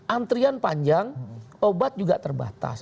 antrian panjang obat juga terbatas